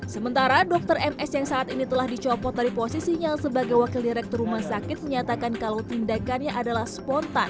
sementara dokter ms yang saat ini telah dicopot dari posisinya sebagai wakil direktur rumah sakit menyatakan kalau tindakannya adalah spontan